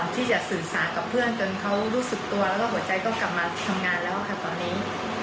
ที่จะสื่อสารกับเพื่อนจนเขารู้สึกตัวแล้วก็หัวใจต้องกลับมาทำงานแล้วค่ะตอนนี้